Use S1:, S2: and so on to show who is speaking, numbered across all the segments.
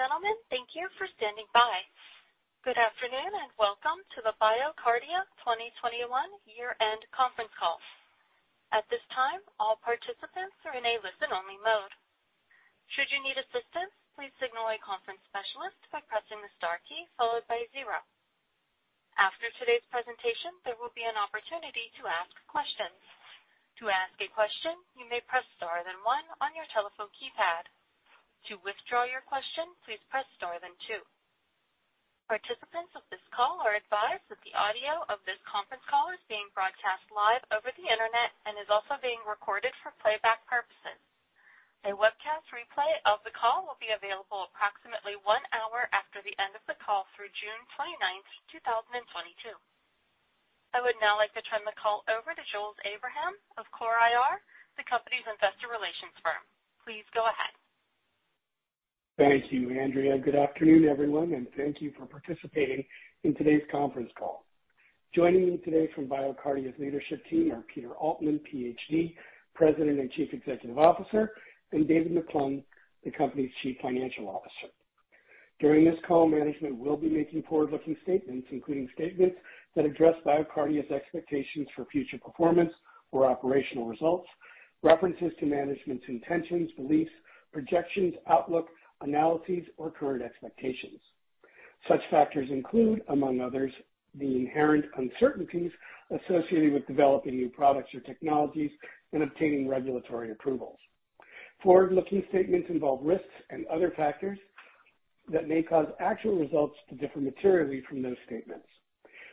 S1: Ladies and gentlemen, thank you for standing by. Good afternoon, and welcome to the BioCardia 2021 year-end conference call. At this time, all participants are in a listen-only mode. Should you need assistance, please signal a conference specialist by pressing the star key followed by zero. After today's presentation, there will be an opportunity to ask questions. To ask a question, you may press star then one on your telephone keypad. To withdraw your question, please press star then two. Participants of this call are advised that the audio of this conference call is being broadcast live over the Internet and is also being recorded for playback purposes. A webcast replay of the call will be available approximately one hour after the end of the call through June 29, 2022. I would now like to turn the call over to Jules Abraham of CORE IR, the company's investor relations firm. Please go ahead.
S2: Thank you, Andrea. Good afternoon, everyone, and thank you for participating in today's conference call. Joining me today from BioCardia's leadership team are Peter Altman, Ph.D., President and Chief Executive Officer, and David McClung, the company's Chief Financial Officer. During this call, management will be making forward-looking statements, including statements that address BioCardia's expectations for future performance or operational results, references to management's intentions, beliefs, projections, outlook, analyses, or current expectations. Such factors include, among others, the inherent uncertainties associated with developing new products or technologies and obtaining regulatory approvals. Forward-looking statements involve risks and other factors that may cause actual results to differ materially from those statements.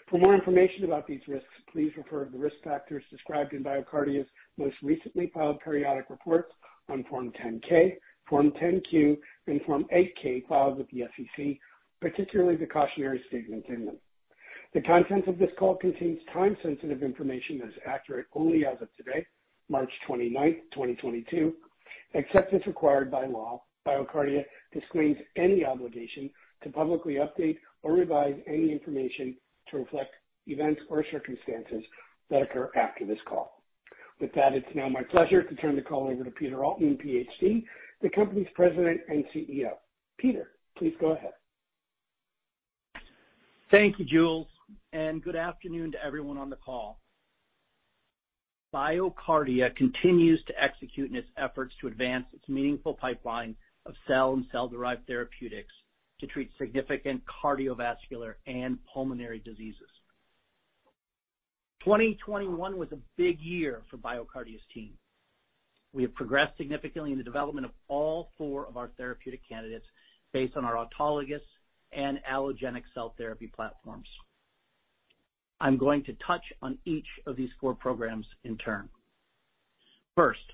S2: For more information about these risks, please refer to the risk factors described in BioCardia's most recently filed periodic reports on Form 10-K, Form 10-Q, and Form 8-K filed with the SEC, particularly the cautionary statements in them. The contents of this call contains time-sensitive information that is accurate only as of today, March 29, 2022. Except as required by law, BioCardia disclaims any obligation to publicly update or revise any information to reflect events or circumstances that occur after this call. With that, it's now my pleasure to turn the call over to Peter Altman, Ph.D., the company's President and CEO. Peter, please go ahead.
S3: Thank you, Jules, and good afternoon to everyone on the call. BioCardia continues to execute in its efforts to advance its meaningful pipeline of cell and cell-derived therapeutics to treat significant cardiovascular and pulmonary diseases. 2021 was a big year for BioCardia's team. We have progressed significantly in the development of all four of our therapeutic candidates based on our autologous and allogeneic cell therapy platforms. I'm going to touch on each of these four programs in turn. First,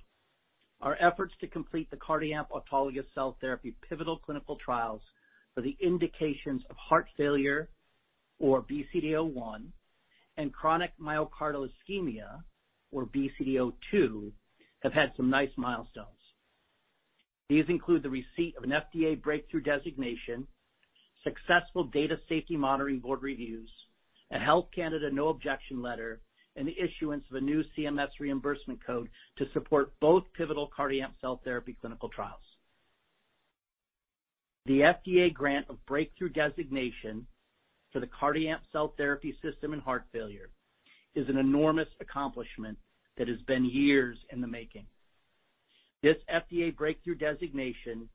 S3: our efforts to complete the CardiAMP autologous cell therapy pivotal clinical trials for the indications of heart failure, or BCDA-01, and chronic myocardial ischemia, or BCDA-02, have had some nice milestones. These include the receipt of an FDA breakthrough designation, successful Data Safety Monitoring Board reviews, a Health Canada No Objection Letter, and the issuance of a new CMS reimbursement code to support both pivotal CardiAMP cell therapy clinical trials. The FDA grant of breakthrough designation for the CardiAMP cell therapy system in heart failure is an enormous accomplishment that has been years in the making. This FDA breakthrough designation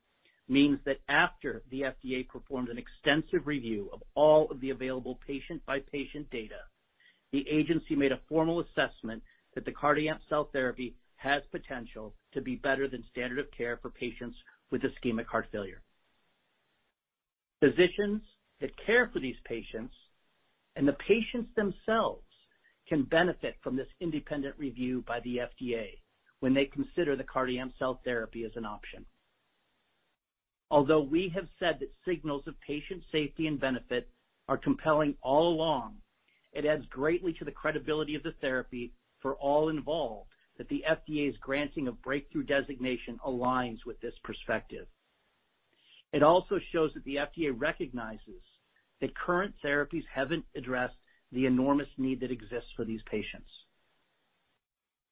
S3: means that after the FDA performed an extensive review of all of the available patient-by-patient data, the agency made a formal assessment that the CardiAMP cell therapy has potential to be better than standard of care for patients with ischemic heart failure. Physicians that care for these patients and the patients themselves can benefit from this independent review by the FDA when they consider the CardiAMP cell therapy as an option. Although we have said that signals of patient safety and benefit are compelling all along, it adds greatly to the credibility of the therapy for all involved that the FDA's granting of breakthrough designation aligns with this perspective. It also shows that the FDA recognizes that current therapies haven't addressed the enormous need that exists for these patients.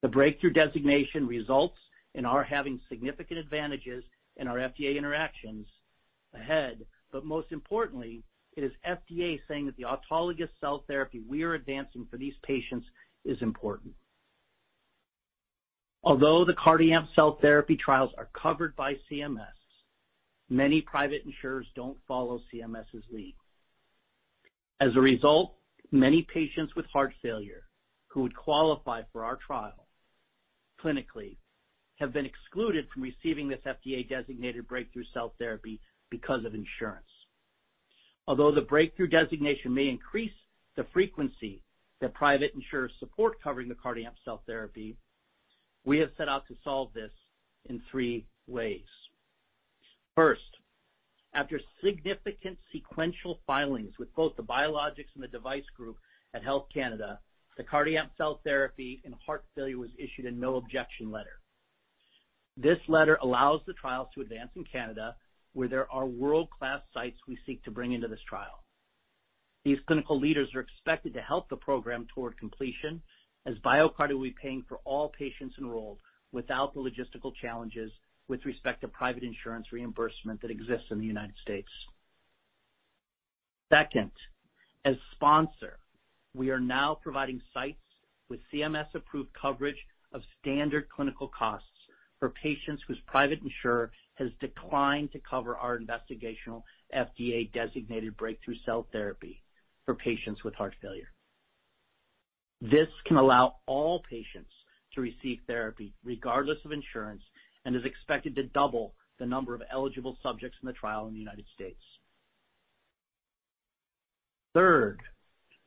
S3: The breakthrough designation results in our having significant advantages in our FDA interactions ahead, but most importantly, it is FDA saying that the autologous cell therapy we are advancing for these patients is important. Although the CardiAMP cell therapy trials are covered by CMS, many private insurers don't follow CMS's lead. As a result, many patients with heart failure who would qualify for our trial clinically have been excluded from receiving this FDA-designated breakthrough cell therapy because of insurance. Although the breakthrough designation may increase the frequency that private insurers support covering the CardiAMP cell therapy, we have set out to solve this in three ways. First, after significant sequential filings with both the biologics and the device group at Health Canada, the CardiAMP cell therapy in heart failure was issued a No Objection Letter. This letter allows the trials to advance in Canada, where there are world-class sites we seek to bring into this trial. These clinical leaders are expected to help the program toward completion as BioCardia will be paying for all patients enrolled without the logistical challenges with respect to private insurance reimbursement that exists in the United States. Second, as sponsor, we are now providing sites with CMS-approved coverage of standard clinical costs for patients whose private insurer has declined to cover our investigational FDA-designated breakthrough cell therapy for patients with heart failure. This can allow all patients to receive therapy regardless of insurance, and is expected to double the number of eligible subjects in the trial in the United States. Third,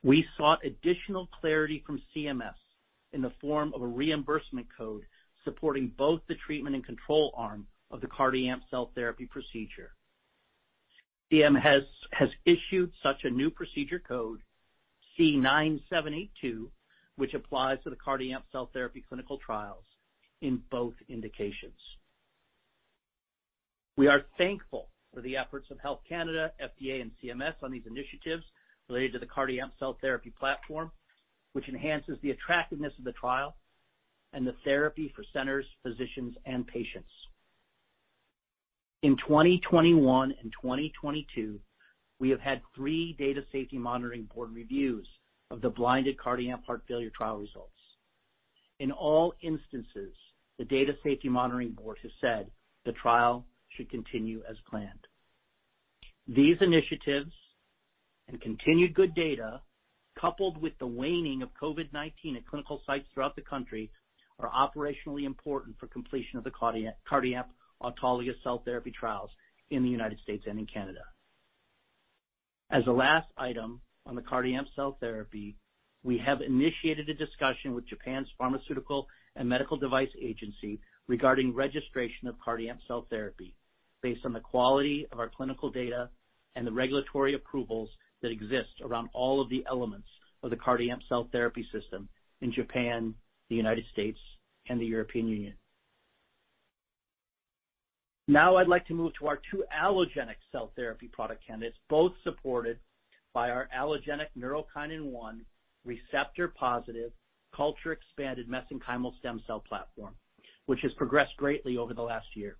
S3: we sought additional clarity from CMS in the form of a reimbursement code supporting both the treatment and control arm of the CardiAMP cell therapy procedure. CMS has issued such a new procedure code C9782, which applies to the CardiAMP cell therapy clinical trials in both indications. We are thankful for the efforts of Health Canada, FDA, and CMS on these initiatives related to the CardiAMP cell therapy platform, which enhances the attractiveness of the trial and the therapy for centers, physicians, and patients. In 2021 and 2022, we have had three data safety monitoring board reviews of the blinded CardiAMP heart failure trial results. In all instances, the data safety monitoring board has said the trial should continue as planned. These initiatives and continued good data, coupled with the waning of COVID-19 at clinical sites throughout the country, are operationally important for completion of the CardiAMP autologous cell therapy trials in the United States and in Canada. As a last item on the CardiAMP cell therapy, we have initiated a discussion with Japan's Pharmaceuticals and Medical Devices Agency regarding registration of CardiAMP cell therapy based on the quality of our clinical data and the regulatory approvals that exist around all of the elements of the CardiAMP cell therapy system in Japan, the United States, and the European Union. Now I'd like to move to our two allogeneic cell therapy product candidates, both supported by our allogeneic neurokinin-1 receptor positive culture-expanded mesenchymal stem cell platform, which has progressed greatly over the last year.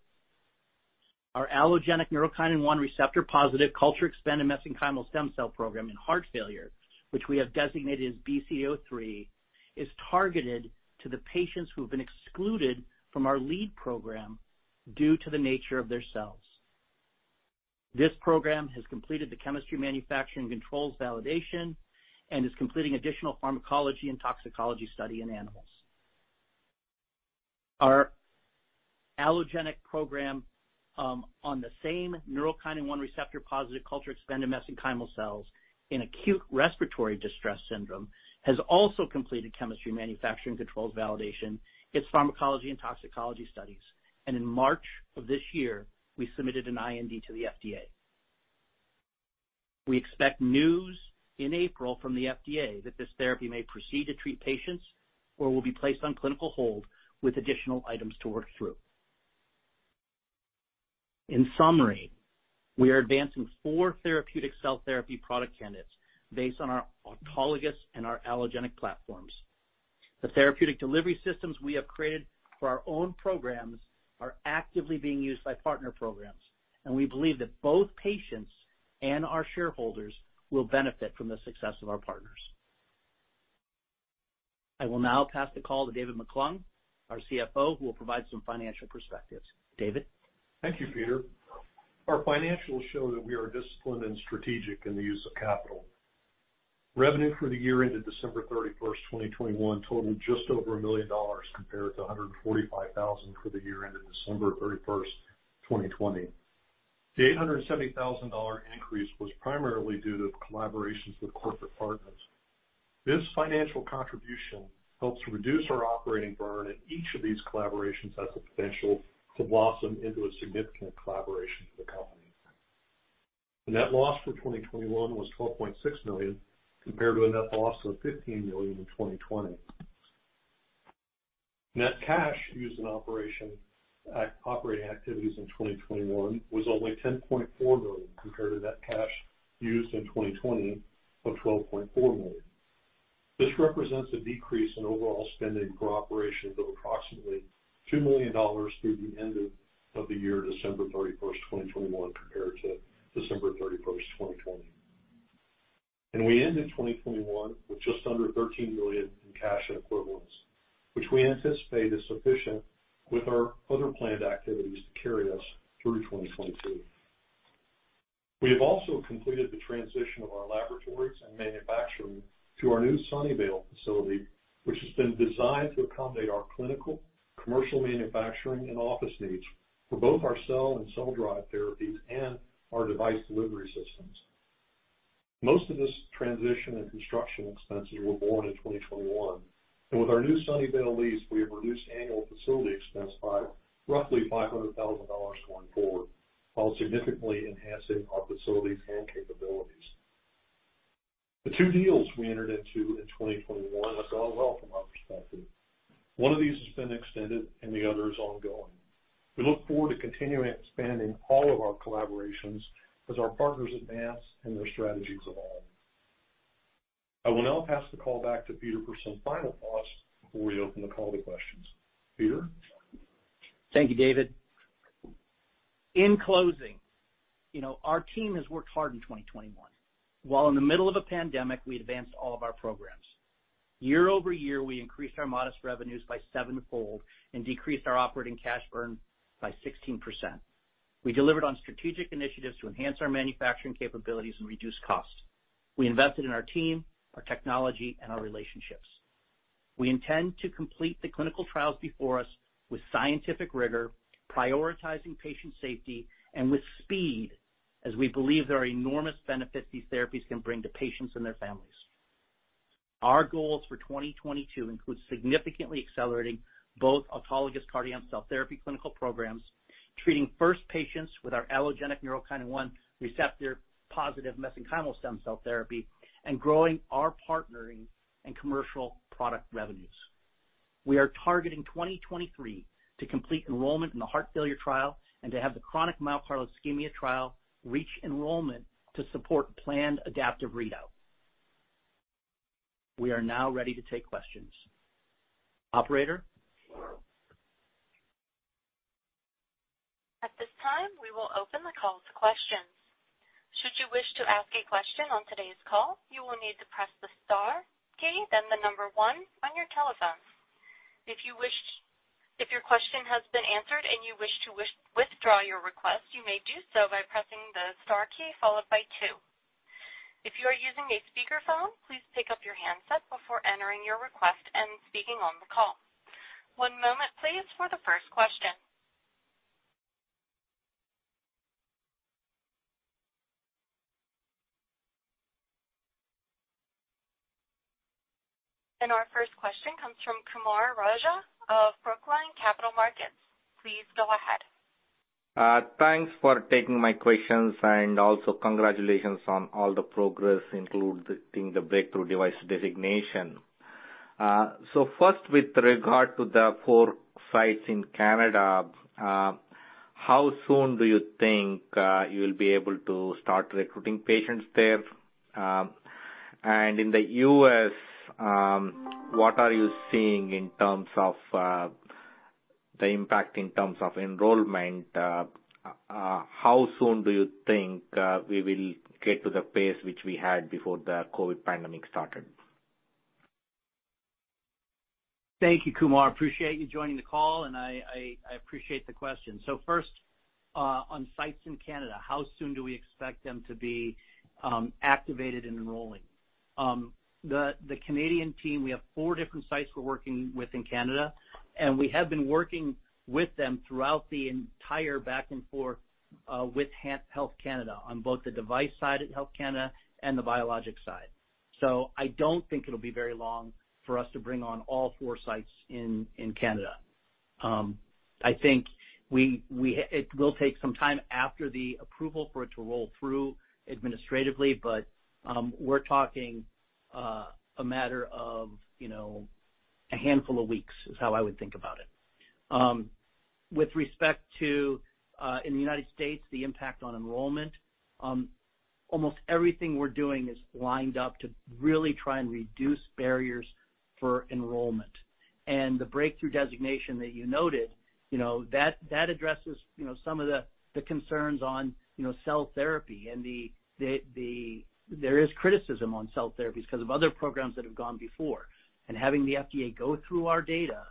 S3: Our allogeneic neurokinin-1 receptor positive culture-expanded mesenchymal stem cell program in heart failure, which we have designated as BCDA-03, is targeted to the patients who have been excluded from our lead program due to the nature of their cells. This program has completed the chemistry manufacturing controls validation and is completing additional pharmacology and toxicology study in animals. Our allogeneic program on the same neurokinin-1 receptor positive culture-expanded mesenchymal cells in acute respiratory distress syndrome has also completed chemistry manufacturing controls validation, its pharmacology and toxicology studies, and in March of this year, we submitted an IND to the FDA. We expect news in April from the FDA that this therapy may proceed to treat patients or will be placed on clinical hold with additional items to work through. In summary, we are advancing four therapeutic cell therapy product candidates based on our autologous and our allogeneic platforms. The therapeutic delivery systems we have created for our own programs are actively being used by partner programs, and we believe that both patients and our shareholders will benefit from the success of our partners. I will now pass the call to David McClung, our CFO, who will provide some financial perspectives. David?
S4: Thank you, Peter. Our financials show that we are disciplined and strategic in the use of capital. Revenue for the year ended December 31, 2021 totaled just over $1 million compared to $145,000 for the year ended December 31, 2020. The $870,000 increase was primarily due to collaborations with corporate partners. This financial contribution helps reduce our operating burn, and each of these collaborations has the potential to blossom into a significant collaboration for the company. The net loss for 2021 was $12.6 million, compared to a net loss of $15 million in 2020. Net cash used in operating activities in 2021 was only $10.4 million, compared to net cash used in 2020 of $12.4 million. This represents a decrease in overall spending for operations of approximately $2 million through the end of the year December 31, 2021 compared to December 31, 2020. We ended 2021 with just under $13 million in cash and equivalents, which we anticipate is sufficient with our other planned activities to carry us through 2022. We have also completed the transition of our laboratories and manufacturing to our new Sunnyvale facility, which has been designed to accommodate our clinical, commercial manufacturing, and office needs for both our cell and cell drive therapies and our device delivery systems. Most of this transition and construction expenses were borne in 2021, and with our new Sunnyvale lease, we have reduced annual facility expense by roughly $500,000 going forward, while significantly enhancing our facilities and capabilities. The two deals we entered into in 2021 have gone well from our perspective. One of these has been extended and the other is ongoing. We look forward to continuing expanding all of our collaborations as our partners advance and their strategies evolve. I will now pass the call back to Peter for some final thoughts before we open the call to questions. Peter?
S3: Thank you, David. In closing, you know, our team has worked hard in 2021. While in the middle of a pandemic, we advanced all of our programs. Year-over-year, we increased our modest revenues by sevenfold and decreased our operating cash burn by 16%. We delivered on strategic initiatives to enhance our manufacturing capabilities and reduce costs. We invested in our team, our technology, and our relationships. We intend to complete the clinical trials before us with scientific rigor, prioritizing patient safety and with speed, as we believe there are enormous benefits these therapies can bring to patients and their families. Our goals for 2022 include significantly accelerating both autologous cardiac cell therapy clinical programs, treating first patients with our allogeneic neurokinin-1 receptor-positive mesenchymal stem cell therapy, and growing our partnering and commercial product revenues. We are targeting 2023 to complete enrollment in the heart failure trial and to have the chronic myocardial ischemia trial reach enrollment to support planned adaptive readout. We are now ready to take questions. Operator?
S1: At this time, we will open the call to questions. Should you wish to ask a question on today's call, you will need to press the star key, then the number one on your telephone. If your question has been answered and you wish to withdraw your request, you may do so by pressing the star key followed by two. If you are using a speakerphone, please pick up your handset before entering your request and speaking on the call. One moment please for the first question. Our first question comes from Kumar Raja of Brookline Capital Markets. Please go ahead.
S5: Thanks for taking my questions, and also congratulations on all the progress, including the breakthrough device designation. First, with regard to the four sites in Canada, how soon do you think you'll be able to start recruiting patients there? In the U.S., what are you seeing in terms of the impact in terms of enrollment? How soon do you think we will get to the pace which we had before the COVID pandemic started?
S3: Thank you, Kumar. Appreciate you joining the call, and I appreciate the question. First, on sites in Canada, how soon do we expect them to be activated and enrolling? The Canadian team, we have four different sites we're working with in Canada, and we have been working with them throughout the entire back and forth with Health Canada on both the device side at Health Canada and the biologic side. I don't think it'll be very long for us to bring on all four sites in Canada. I think it will take some time after the approval for it to roll through administratively, but we're talking a matter of, you know, a handful of weeks is how I would think about it. With respect to in the United States, the impact on enrollment, almost everything we're doing is lined up to really try and reduce barriers for enrollment. The breakthrough designation that you noted, you know, that addresses, you know, some of the concerns on cell therapy. There is criticism on cell therapies because of other programs that have gone before. Having the FDA go through our data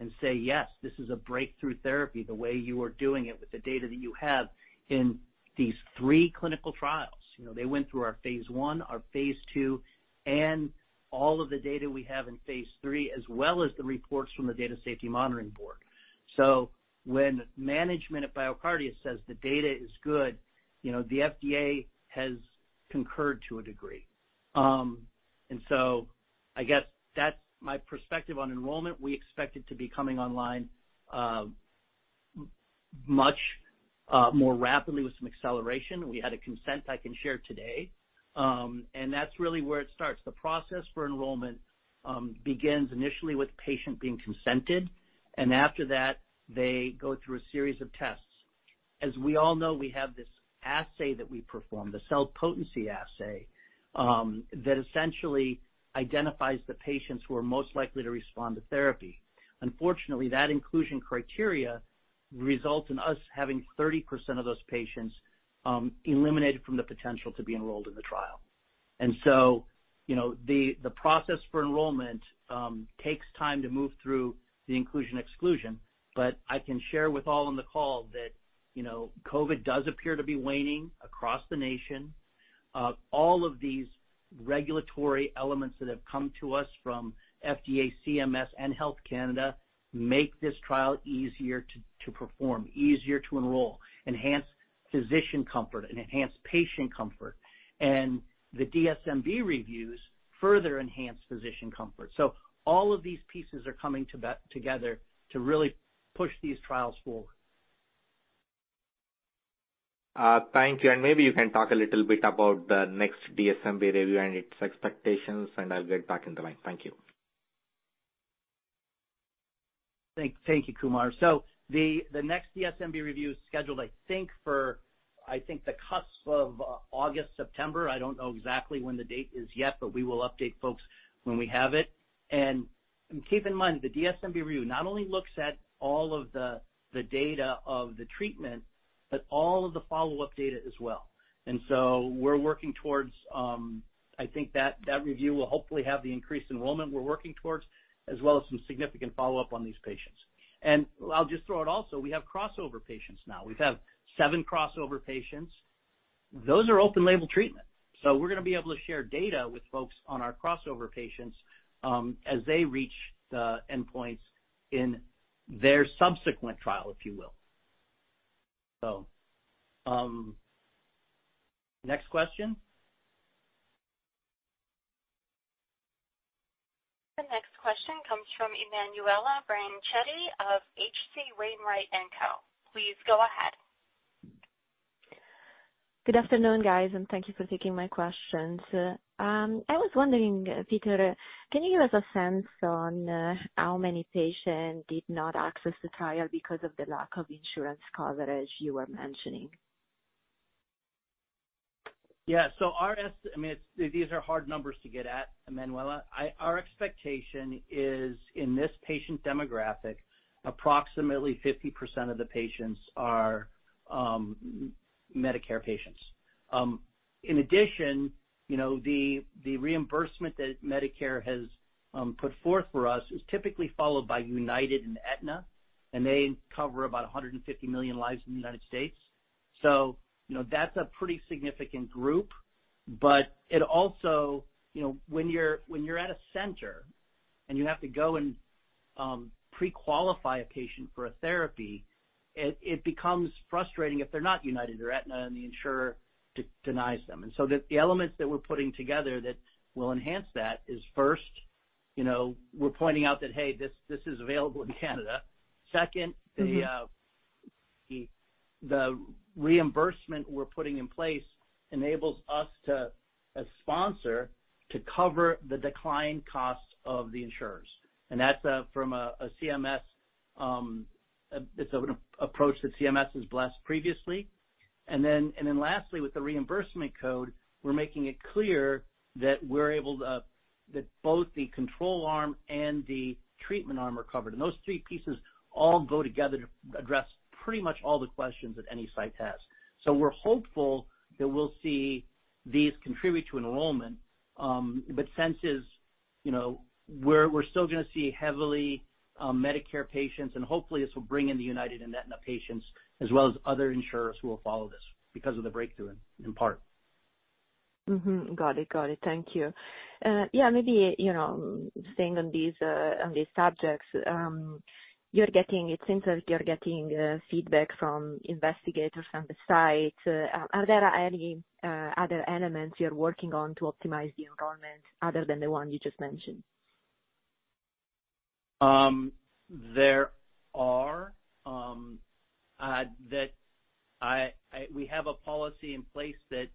S3: and say, "Yes, this is a breakthrough therapy the way you are doing it with the data that you have in these three clinical trials." You know, they went through our phase I, our phase II, and all of the data we have in phase III, as well as the reports from the Data and Safety Monitoring Board. When management at BioCardia says the data is good, you know, the FDA has concurred to a degree. I guess that's my perspective on enrollment. We expect it to be coming online much more rapidly with some acceleration. We had a consent I can share today, and that's really where it starts. The process for enrollment begins initially with patient being consented, and after that, they go through a series of tests. As we all know, we have this assay that we perform, the cell potency assay, that essentially identifies the patients who are most likely to respond to therapy. Unfortunately, that inclusion criteria results in us having 30% of those patients eliminated from the potential to be enrolled in the trial. You know, the process for enrollment takes time to move through the inclusion/exclusion. I can share with all on the call that, you know, COVID does appear to be waning across the nation. All of these regulatory elements that have come to us from FDA, CMS, and Health Canada make this trial easier to perform, easier to enroll, enhance physician comfort, and enhance patient comfort. The DSMB reviews further enhance physician comfort. All of these pieces are coming together to really push these trials forward.
S5: Thank you. Maybe you can talk a little bit about the next DSMB review and its expectations, and I'll get back in the line. Thank you.
S3: Thank you, Kumar. The next DSMB review is scheduled, I think for the cusp of August, September. I don't know exactly when the date is yet, but we will update folks when we have it. Keep in mind, the DSMB review not only looks at all of the data of the treatment, but all of the follow-up data as well. We're working towards I think that review will hopefully have the increased enrollment we're working towards, as well as some significant follow-up on these patients. I'll just throw it out also, we have crossover patients now. We have seven crossover patients. Those are open label treatment. We're gonna be able to share data with folks on our crossover patients, as they reach the endpoints in their subsequent trial, if you will. Next question.
S1: The next question comes from Emanuela Branchetti of H.C. Wainwright & Co. Please go ahead.
S6: Good afternoon, guys, and thank you for taking my questions. I was wondering, Peter, can you give us a sense on how many patients did not access the trial because of the lack of insurance coverage you were mentioning?
S3: These are hard numbers to get at, Emanuela. I mean, our expectation is in this patient demographic, approximately 50% of the patients are Medicare patients. In addition, you know, the reimbursement that Medicare has put forth for us is typically followed by UnitedHealthcare and Aetna, and they cover about 150 million lives in the United States. You know, that's a pretty significant group. It also, you know, when you're at a center and you have to go and pre-qualify a patient for a therapy, it becomes frustrating if they're not UnitedHealthcare or Aetna and the insurer denies them. The elements that we're putting together that will enhance that is first, you know, we're pointing out that, hey, this is available in Canada. Second, the reimbursement we're putting in place enables us to, as sponsor, to cover the decline costs of the insurers. That's from a CMS, it's an approach that CMS has blessed previously. Lastly, with the reimbursement code, we're making it clear that we're able to that both the control arm and the treatment arm are covered. Those three pieces all go together to address pretty much all the questions that any site has. We're hopeful that we'll see these contribute to enrollment. Consensus is, you know, we're still gonna see heavily Medicare patients, and hopefully this will bring in the UnitedHealthcare and Aetna patients as well as other insurers who will follow this because of the breakthrough in part.
S6: Mm-hmm. Got it. Thank you. Yeah, maybe, you know, staying on these subjects, it seems like you're getting feedback from investigators from the site. Are there any other elements you're working on to optimize the enrollment other than the one you just mentioned?
S3: We have a policy in place that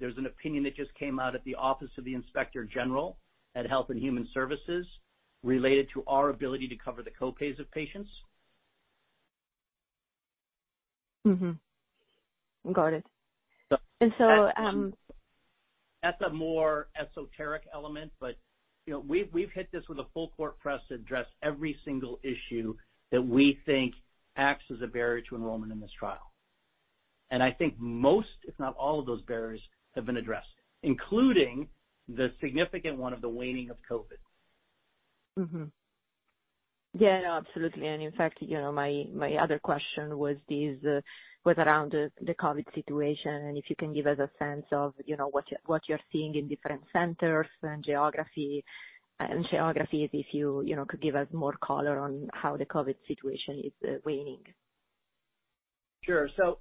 S3: there's an opinion that just came out at the Office of the Inspector General at Health and Human Services related to our ability to cover the co-pays of patients.
S6: Mm-hmm. Got it.
S3: That's a more esoteric element, but, you know, we've hit this with a full court press to address every single issue that we think acts as a barrier to enrollment in this trial. I think most, if not all of those barriers have been addressed, including the significant one of the waning of COVID.
S6: Mm-hmm. Yeah, no, absolutely. In fact, you know, my other question was around the COVID situation, and if you can give us a sense of, you know, what you're seeing in different centers and geographies, if you know, could give us more color on how the COVID situation is waning.
S3: Sure. So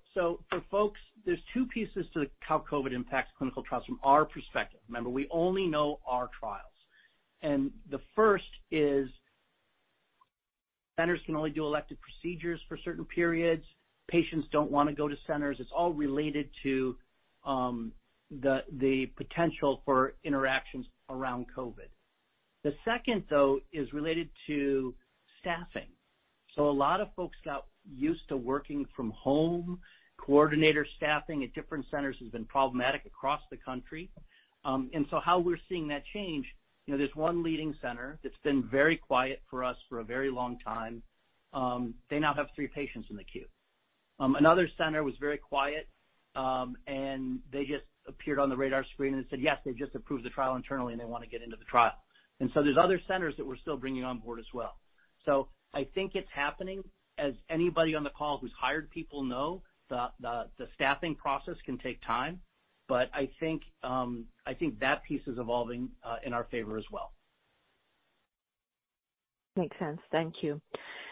S3: for folks, there's two pieces to how COVID impacts clinical trials from our perspective. Remember, we only know our trials. The first is centers can only do elective procedures for certain periods. Patients don't wanna go to centers. It's all related to the potential for interactions around COVID. The second, though, is related to staffing. A lot of folks got used to working from home. Coordinator staffing at different centers has been problematic across the country. How we're seeing that change, you know, there's one leading center that's been very quiet for us for a very long time. They now have three patients in the queue. Another center was very quiet, and they just appeared on the radar screen and said, yes, they've just approved the trial internally, and they wanna get into the trial. There's other centers that we're still bringing on board as well. I think it's happening. As anybody on the call who's hired people know, the staffing process can take time. I think that piece is evolving in our favor as well.
S6: Makes sense. Thank you.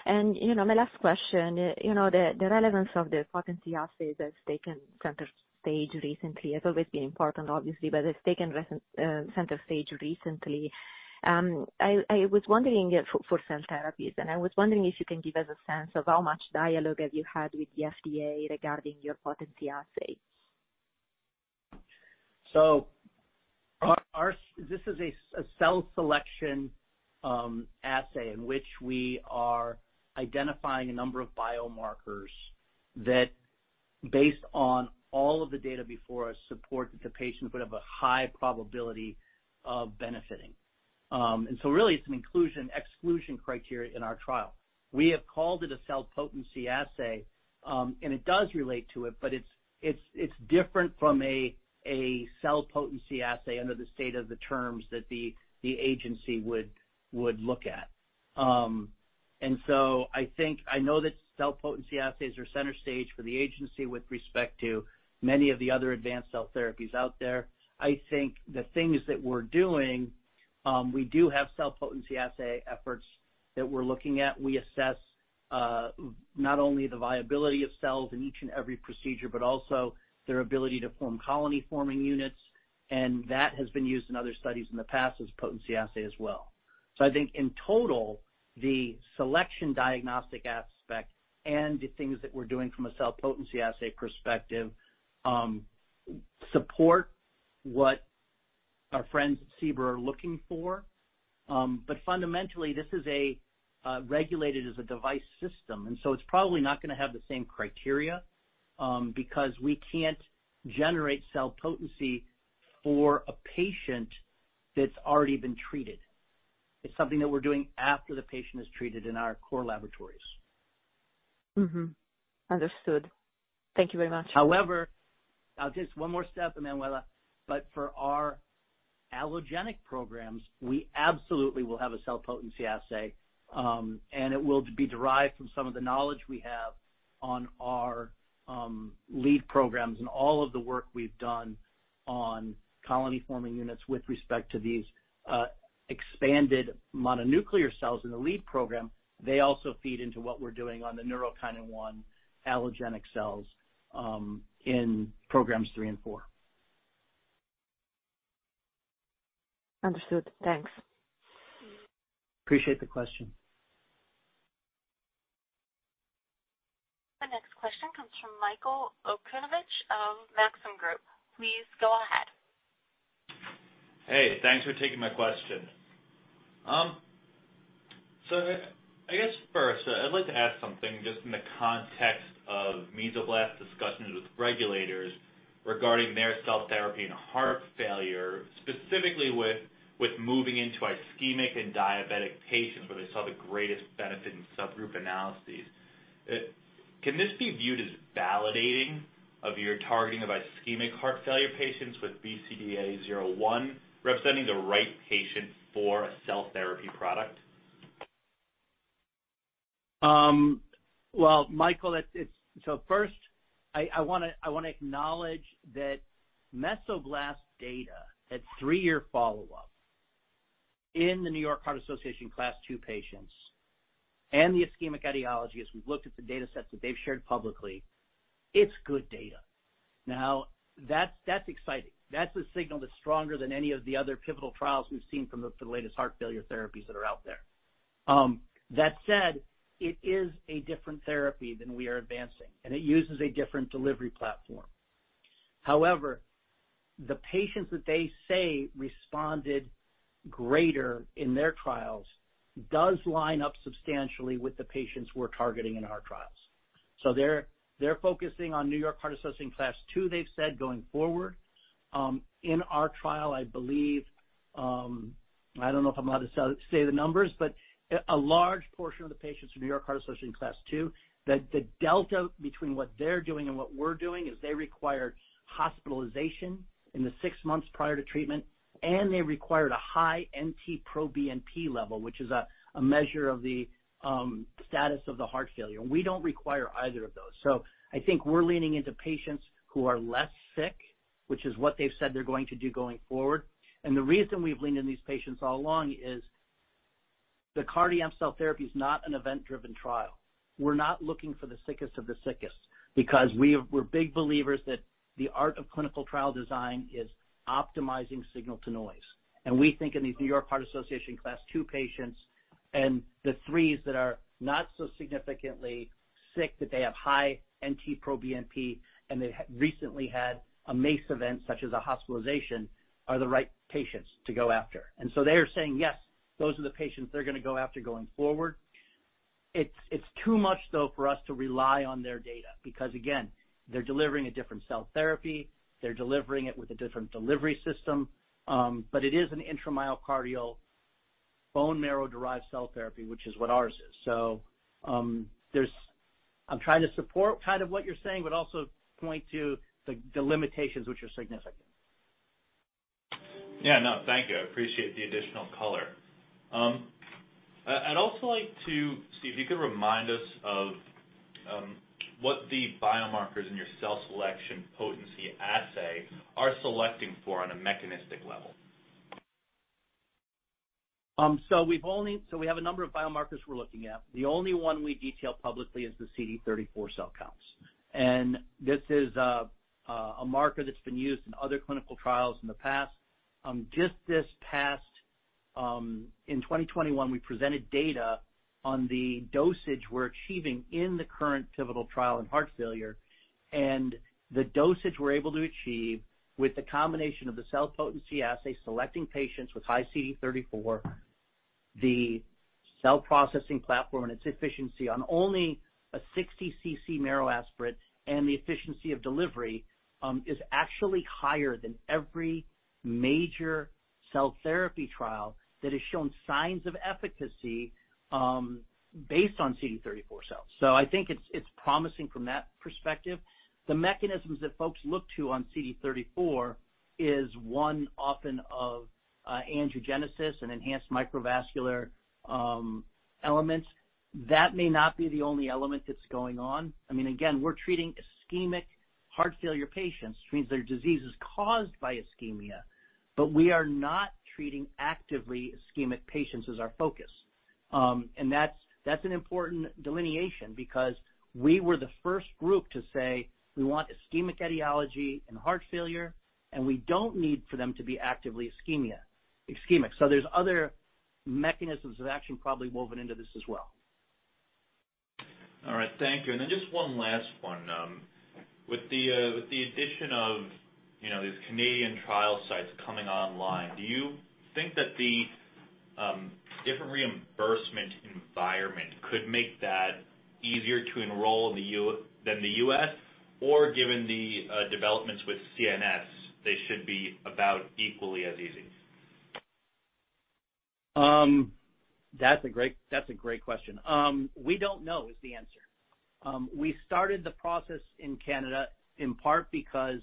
S6: You know, my last question, you know, the relevance of the potency assay has taken center stage recently. It's always been important, obviously, but it's taken center stage recently. I was wondering if you can give us a sense of how much dialogue have you had with the FDA regarding your potency assay?
S3: This is a cell selection assay in which we are identifying a number of biomarkers that based on all of the data before us, support that the patient would have a high probability of benefiting. Really it's an inclusion/exclusion criteria in our trial. We have called it a cell potency assay, and it does relate to it, but it's different from a cell potency assay under the state of the art terms that the agency would look at. I think I know that cell potency assays are center stage for the agency with respect to many of the other advanced cell therapies out there. I think the things that we're doing, we do have cell potency assay efforts that we're looking at. We assess not only the viability of cells in each and every procedure, but also their ability to form colony-forming units, and that has been used in other studies in the past as potency assay as well. I think in total, the selection diagnostic aspect and the things that we're doing from a cell potency assay perspective support what our friends at CBER are looking for. Fundamentally, this is regulated as a device system, and so it's probably not gonna have the same criteria, because we can't generate cell potency for a patient that's already been treated. It's something that we're doing after the patient is treated in our core laboratories.
S6: Understood. Thank you very much.
S3: However, just one more step, Emanuela, but for our allogeneic programs, we absolutely will have a cell potency assay, and it will be derived from some of the knowledge we have on our lead programs and all of the work we've done on colony-forming units with respect to these expanded mononuclear cells in the lead program. They also feed into what we're doing on the neurokinin-1 allogeneic cells in programs three and four.
S6: Understood. Thanks.
S3: appreciate the question.
S1: The next question comes from Michael Okunewicz of Maxim Group. Please go ahead.
S7: Hey, thanks for taking my question. I guess first, I'd like to ask something just in the context of Mesoblast discussions with regulators regarding their cell therapy and heart failure, specifically with moving into ischemic and diabetic patients where they saw the greatest benefit in subgroup analyses. Can this be viewed as validating of your targeting of ischemic heart failure patients with BCDA-01 representing the right patients for a cell therapy product?
S3: Well, Michael, so first I wanna acknowledge that Mesoblast data at three-year follow-up in the New York Heart Association Class two patients and the ischemic etiology, as we've looked at the datasets that they've shared publicly, it's good data. Now that's exciting. That's a signal that's stronger than any of the other pivotal trials we've seen from the latest heart failure therapies that are out there. That said, it is a different therapy than we are advancing, and it uses a different delivery platform. However, the patients that they say responded greater in their trials does line up substantially with the patients we're targeting in our trials. They're focusing on New York Heart Association Class two, they've said, going forward. In our trial I believe, I don't know if I'm allowed to tell, say the numbers, but a large portion of the patients are New York Heart Association Class II. The delta between what they're doing and what we're doing is they require hospitalization in the six months prior to treatment, and they required a high NT-proBNP level, which is a measure of the status of the heart failure. We don't require either of those. I think we're leaning into patients who are less sick, which is what they've said they're going to do going forward. The reason we've leaned in these patients all along is the CardiAMP cell therapy is not an event-driven trial. We're not looking for the sickest of the sickest because we're big believers that the art of clinical trial design is optimizing signal-to-noise. We think in these New York Heart Association Class two patients and the threes that are not so significantly sick that they have high NT-proBNP and they recently had a MACE event such as a hospitalization are the right patients to go after. They are saying, yes, those are the patients they're gonna go after going forward. It's too much though for us to rely on their data because again, they're delivering a different cell therapy, they're delivering it with a different delivery system. But it is an intramyocardial bone marrow-derived cell therapy, which is what ours is. I'm trying to support kind of what you're saying, but also point to the limitations which are significant.
S7: Yeah, no, thank you. I appreciate the additional color. I'd also like to see if you could remind us of what the biomarkers in your cell selection potency assay are selecting for on a mechanistic level.
S3: We have a number of biomarkers we're looking at. The only one we detail publicly is the CD34 cell counts. This is a marker that's been used in other clinical trials in the past. Just this past, in 2021, we presented data on the dosage we're achieving in the current pivotal trial in heart failure, and the dosage we're able to achieve with the combination of the cell potency assay, selecting patients with high CD34, the cell processing platform, and its efficiency on only a 60 cc marrow aspirate and the efficiency of delivery is actually higher than every major cell therapy trial that has shown signs of efficacy based on CD34 cells. I think it's promising from that perspective. The mechanisms that folks look to on CD34 is one often of angiogenesis and enhanced microvascular elements. That may not be the only element that's going on. I mean, again, we're treating ischemic heart failure patients, which means their disease is caused by ischemia, but we are not treating actively ischemic patients as our focus. That's an important delineation because we were the first group to say, we want ischemic etiology and heart failure, and we don't need for them to be actively ischemic. There's other mechanisms of action probably woven into this as well.
S7: All right. Thank you. Just one last one. With the addition of, you know, these Canadian trial sites coming online, do you think that the different reimbursement environment could make that easier to enroll in than the U.S. or given the developments with CMS, they should be about equally as easy?
S3: That's a great question. We don't know is the answer. We started the process in Canada, in part because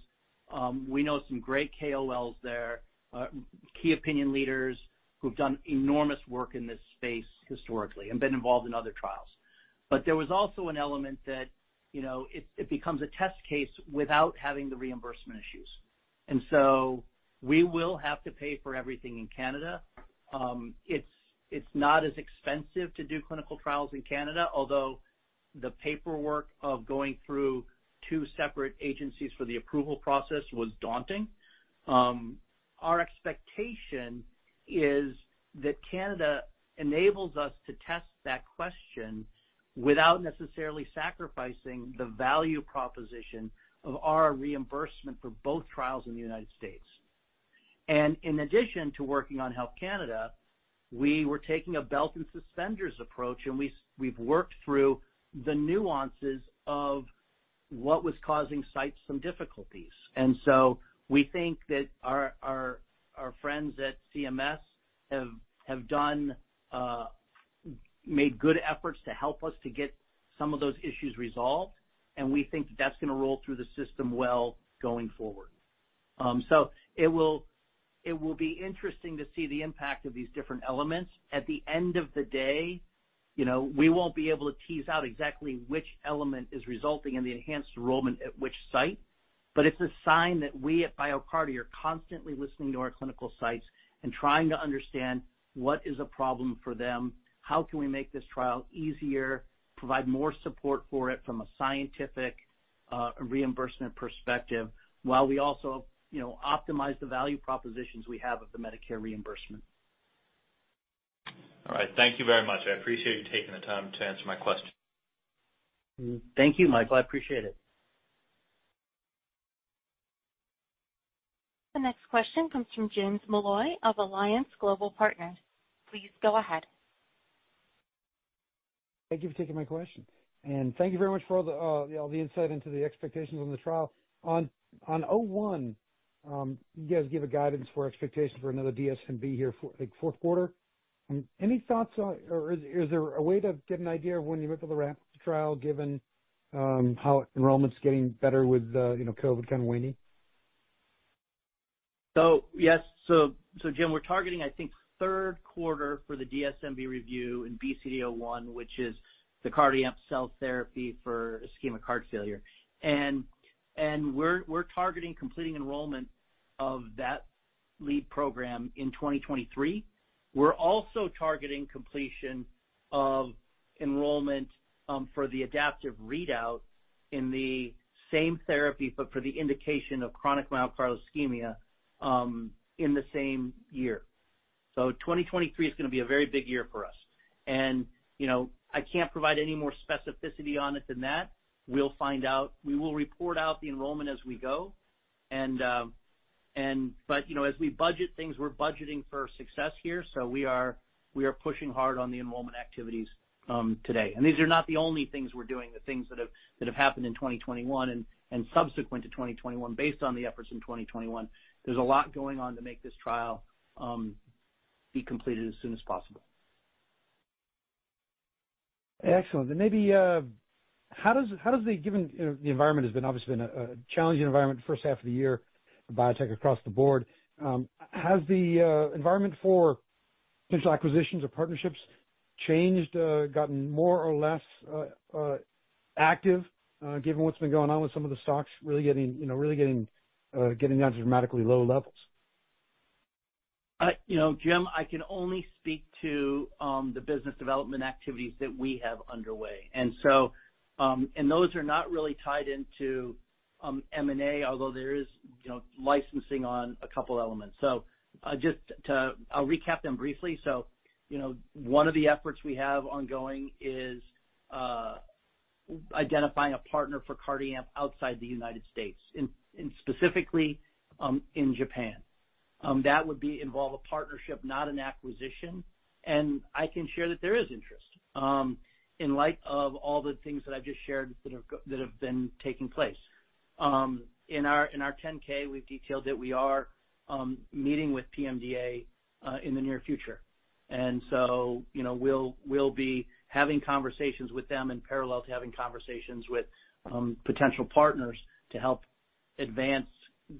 S3: we know some great KOLs there, key opinion leaders who've done enormous work in this space historically and been involved in other trials. There was also an element that, you know, it becomes a test case without having the reimbursement issues. We will have to pay for everything in Canada. It's not as expensive to do clinical trials in Canada, although the paperwork of going through two separate agencies for the approval process was daunting. Our expectation is that Canada enables us to test that question without necessarily sacrificing the value proposition of our reimbursement for both trials in the United States. In addition to working on Health Canada, we were taking a belt and suspenders approach, and we've worked through the nuances of what was causing sites some difficulties. We think that our friends at CMS have made good efforts to help us to get some of those issues resolved, and we think that's gonna roll through the system well going forward. It will be interesting to see the impact of these different elements. At the end of the day, you know, we won't be able to tease out exactly which element is resulting in the enhanced enrollment at which site. It's a sign that we at BioCardia are constantly listening to our clinical sites and trying to understand what is a problem for them, how can we make this trial easier, provide more support for it from a scientific, reimbursement perspective, while we also, you know, optimize the value propositions we have of the Medicare reimbursement.
S7: All right. Thank you very much. I appreciate you taking the time to answer my question.
S3: Thank you, Michael. I appreciate it.
S1: The next question comes from James Molloy of Alliance Global Partners. Please go ahead.
S8: Thank you for taking my question. Thank you very much for all the insight into the expectations on the trial. On BCDA-01, you guys gave a guidance for expectations for another DSMB here for fourth quarter. Any thoughts on, or is there a way to get an idea of when you went to the ramp trial given how enrollment's getting better with you know, COVID kind of waning?
S3: Yes. Jim, we're targeting, I think, third quarter for the DSMB review in BCDA-01, which is the CardiAMP cell therapy for ischemic heart failure. We're targeting completing enrollment of that lead program in 2023. We're also targeting completion of enrollment for the adaptive readout in the same therapy, but for the indication of chronic myocardial ischemia in the same year. 2023 is gonna be a very big year for us. You know, I can't provide any more specificity on it than that. We'll find out. We will report out the enrollment as we go. You know, as we budget things, we're budgeting for success here. We are pushing hard on the enrollment activities today. These are not the only things we're doing, the things that have happened in 2021 and subsequent to 2021 based on the efforts in 2021. There's a lot going on to make this trial be completed as soon as possible.
S8: Excellent. Maybe how does given the environment has obviously been a challenging environment first half of the year for biotech across the board, has the environment for potential acquisitions or partnerships changed, gotten more or less active, given what's been going on with some of the stocks really getting you know down to dramatically low levels?
S3: You know, Jim, I can only speak to the business development activities that we have underway. Those are not really tied into M&A, although there is, you know, licensing on a couple elements. I'll recap them briefly. You know, one of the efforts we have ongoing is identifying a partner for CardiAMP outside the U.S., specifically in Japan. That would involve a partnership, not an acquisition. I can share that there is interest in light of all the things that I've just shared that have been taking place. In our 10-K, we've detailed that we are meeting with PMDA in the near future. you know, we'll be having conversations with them in parallel to having conversations with potential partners to help advance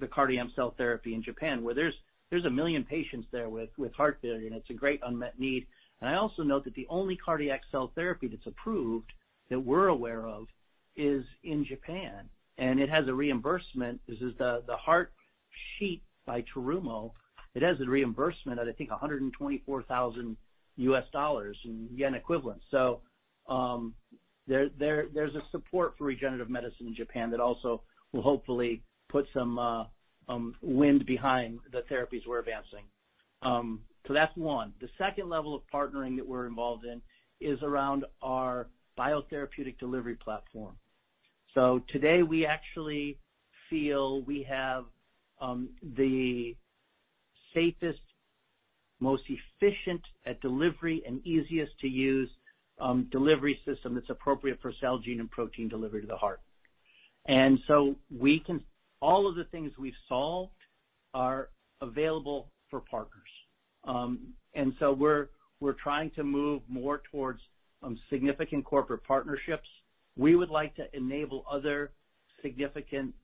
S3: the CardiAMP cell therapy in Japan, where there's 1 million patients there with heart failure, and it's a great unmet need. I also know that the only cardiac cell therapy that's approved, that we're aware of, is in Japan, and it has a reimbursement. This is the HeartSheet by Terumo. It has a reimbursement at, I think, $124,000 in yen equivalent. there's support for regenerative medicine in Japan that also will hopefully put some wind behind the therapies we're advancing. that's one. The second level of partnering that we're involved in is around our biotherapeutic delivery platform. Today, we actually feel we have the safest, most efficient at delivery and easiest to use delivery system that's appropriate for cell, gene, and protein delivery to the heart. All of the things we've solved are available for partners. We're trying to move more towards significant corporate partnerships. We would like to enable other significant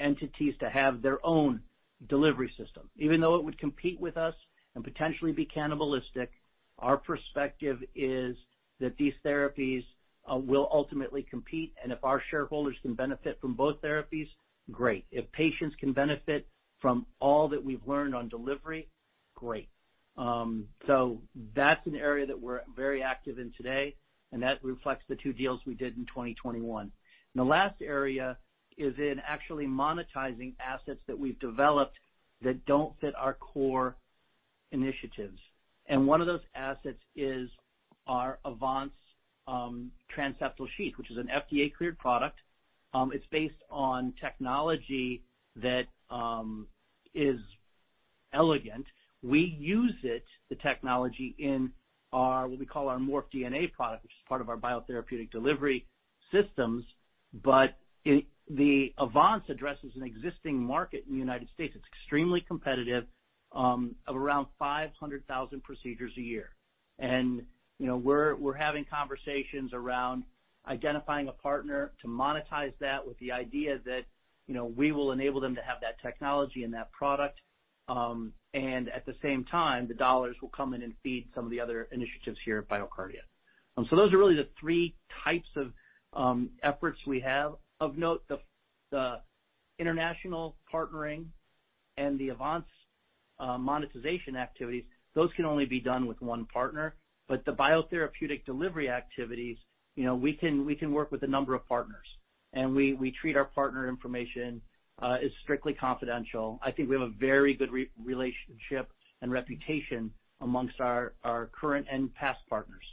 S3: entities to have their own delivery system. Even though it would compete with us and potentially be cannibalistic, our perspective is that these therapies will ultimately compete. If our shareholders can benefit from both therapies, great. If patients can benefit from all that we've learned on delivery, great. That's an area that we're very active in today, and that reflects the two deals we did in 2021. The last area is in actually monetizing assets that we've developed that don't fit our core initiatives. One of those assets is our AVANCE transseptal sheath, which is an FDA-cleared product. It's based on technology that is elegant. We use it, the technology, in our what we call our Morph DNA product, which is part of our biotherapeutic delivery systems. But the AVANCE addresses an existing market in the United States. It's extremely competitive of around 500,000 procedures a year. You know, we're having conversations around identifying a partner to monetize that with the idea that, you know, we will enable them to have that technology and that product. At the same time, the dollars will come in and feed some of the other initiatives here at BioCardia. Those are really the three types of efforts we have. Of note, the international partnering and the AVANCE monetization activities, those can only be done with one partner. The biotherapeutic delivery activities, you know, we can work with a number of partners, and we treat our partner information as strictly confidential. I think we have a very good relationship and reputation amongst our current and past partners.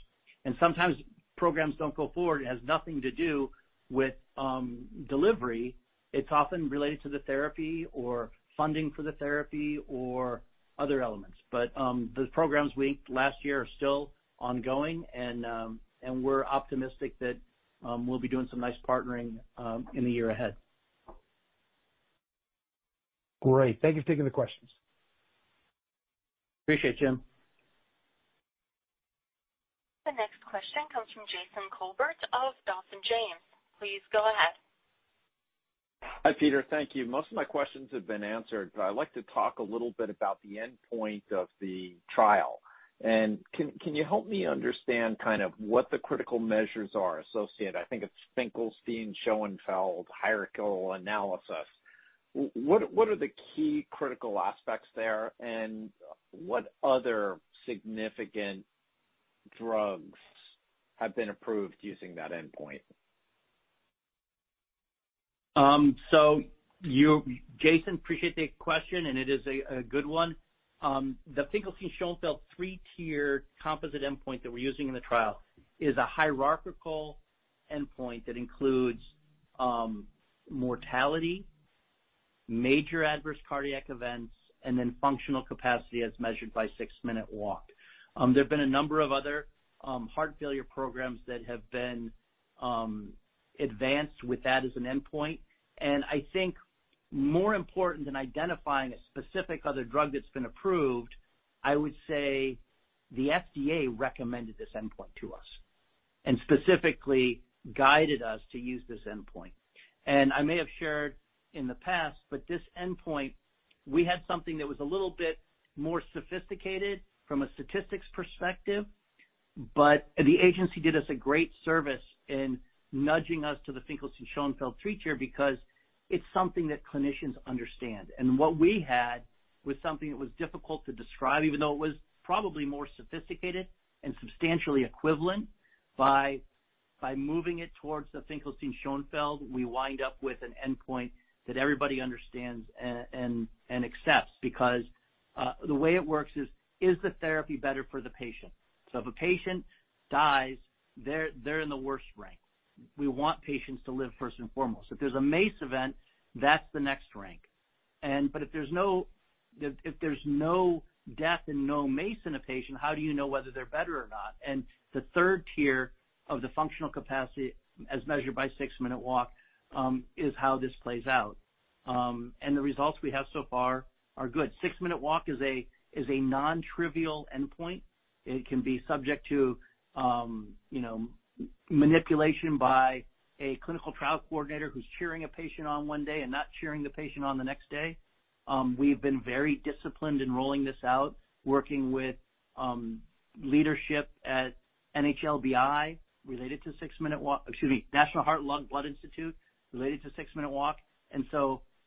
S3: Sometimes programs don't go forward. It has nothing to do with delivery. It's often related to the therapy or funding for the therapy or other elements. The programs we last year are still ongoing, and we're optimistic that we'll be doing some nice partnering in the year ahead.
S8: Great. Thank you for taking the questions.
S3: appreciate, Jim.
S1: The next question comes from Jason Kolbert of Dawson James. Please go ahead.
S9: Hi, Peter. Thank you. Most of my questions have been answered, but I'd like to talk a little bit about the endpoint of the trial. Can you help me understand kind of what the critical measures are associated? I think it's Finkelstein-Schoenfeld hierarchical analysis. What are the key critical aspects there, and what other significant drugs have been approved using that endpoint?
S3: You, Jason, appreciate the question, and it is a good one. The Finkelstein-Schoenfeld three-tier composite endpoint that we're using in the trial is a hierarchical endpoint that includes mortality, major adverse cardiac events, and then functional capacity as measured by six-minute walk. There have been a number of other heart failure programs that have been advanced with that as an endpoint, and I think more important than identifying a specific other drug that's been approved, I would say the FDA recommended this endpoint to us and specifically guided us to use this endpoint. I may have shared in the past, but this endpoint, we had something that was a little bit more sophisticated from a statistics perspective, but the agency did us a great service in nudging us to the Finkelstein-Schoenfeld three-tier because it's something that clinicians understand. What we had was something that was difficult to describe, even though it was probably more sophisticated and substantially equivalent. By moving it towards the Finkelstein-Schoenfeld, we wind up with an endpoint that everybody understands and accepts. Because the way it works is the therapy better for the patient? If a patient dies, they're in the worst rank. We want patients to live first and foremost. If there's a MACE event, that's the next rank. But if there's no death and no MACE in a patient, how do you know whether they're better or not? The third tier of the functional capacity, as measured by six-minute walk, is how this plays out. The results we have so far are good. Six-minute walk is a non-trivial endpoint. It can be subject to, you know, manipulation by a clinical trial coordinator who's cheering a patient on one day and not cheering the patient on the next day. We've been very disciplined in rolling this out, working with, leadership at NHLBI, related to six-minute walk. Excuse me, National Heart, Lung, and Blood Institute, related to six-minute walk.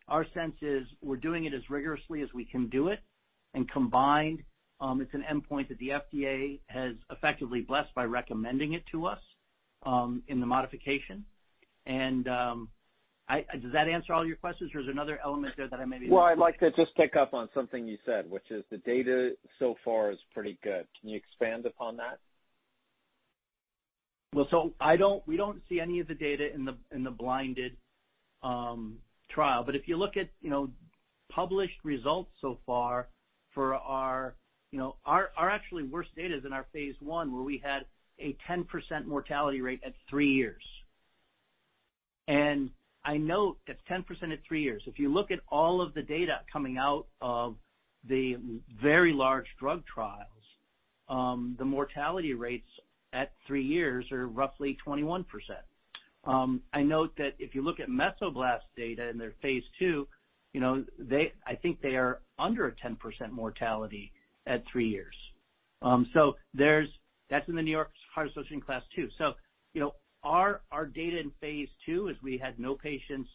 S3: Our sense is we're doing it as rigorously as we can do it, and combined, it's an endpoint that the FDA has effectively blessed by recommending it to us, in the modification. Does that answer all your questions, or is there another element there that I maybe-
S9: Well, I'd like to just pick up on something you said, which is the data so far is pretty good. Can you expand upon that?
S3: We don't see any of the data in the blinded trial. But if you look at, you know, published results so far for our, you know, our actually worse data is in our phase I, where we had a 10% mortality rate at three years. I know that's 10% at three years. If you look at all of the data coming out of the very large drug trials, the mortality rates at three years are roughly 21%. I note that if you look at Mesoblast data in their phase II, you know, they, I think they are under a 10% mortality at three years. That's in the New York Heart Association class II. You know, our data in phase II is we had no patients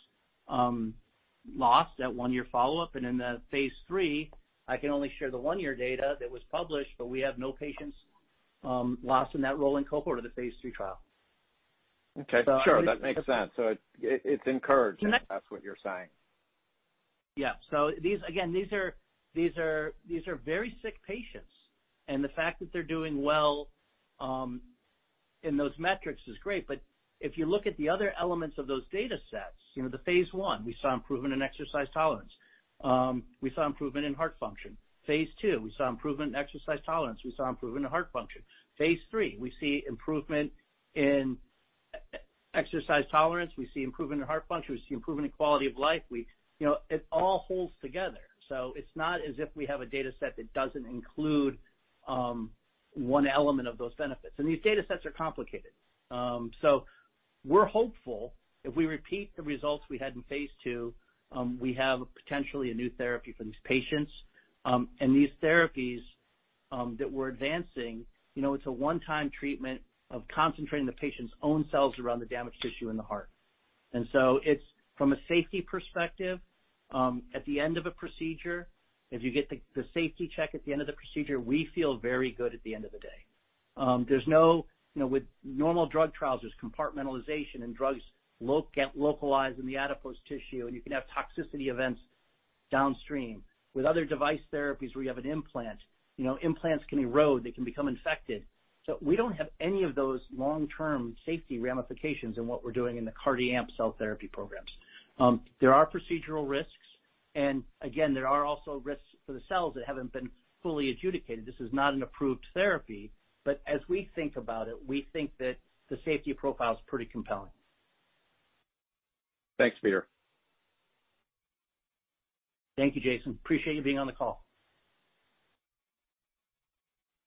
S3: lost at one-year follow-up. In the phase III, I can only share the one-year data that was published, but we have no patients lost in that rolling cohort of the phase III trial.
S9: Okay.
S3: So-
S9: Sure, that makes sense. It's encouraged.
S3: Ne-
S9: That's what you're saying.
S3: These are very sick patients, and the fact that they're doing well in those metrics is great. If you look at the other elements of those data sets, you know, phase I, we saw improvement in exercise tolerance. We saw improvement in heart function. Phase II, we saw improvement in exercise tolerance, we saw improvement in heart function. Phase III, we see improvement in exercise tolerance, we see improvement in heart function, we see improvement in quality of life. You know, it all holds together. It's not as if we have a data set that doesn't include one element of those benefits. These data sets are complicated. We're hopeful if we repeat the results we had in phase II, we have potentially a new therapy for these patients. These therapies that we're advancing, you know, it's a one-time treatment of concentrating the patient's own cells around the damaged tissue in the heart. It's, from a safety perspective, at the end of a procedure, as you get the safety check at the end of the procedure, we feel very good at the end of the day. There's no, you know, with normal drug trials, there's compartmentalization, and drugs get localized in the adipose tissue, and you can have toxicity events downstream. With other device therapies where you have an implant, you know, implants can erode, they can become infected. We don't have any of those long-term safety ramifications in what we're doing in the CardiAMP cell therapy programs. There are procedural risks and, again, there are also risks for the cells that haven't been fully adjudicated. This is not an approved therapy. As we think about it, we think that the safety profile is pretty compelling.
S9: Thanks, Peter.
S3: Thank you, Jason. Appreciate you being on the call.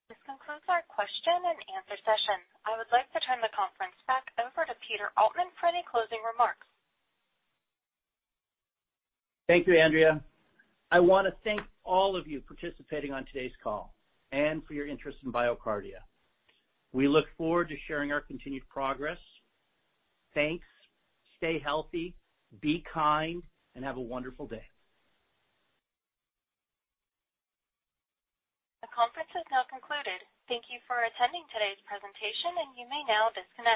S1: This concludes our question and answer session. I would like to turn the conference back over to Peter Altman for any closing remarks.
S3: Thank you, Andrea. I wanna thank all of you participating on today's call and for your interest in BioCardia. We look forward to sharing our continued progress. Thanks. Stay healthy, be kind, and have a wonderful day.
S1: The conference has now concluded. Thank you for attending today's presentation, and you may now disconnect.